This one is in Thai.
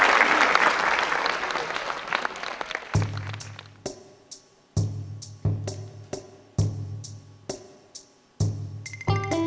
เห็นทุกคน